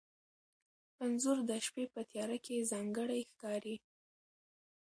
انځور د شپې په تیاره کې ځانګړی ښکاري.